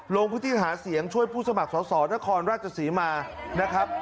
ลงพื้นที่หาเสียงช่วยผู้สมัครสอสอนครราชศรีมานะครับ